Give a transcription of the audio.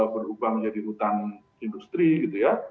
berubah menjadi hutan industri gitu ya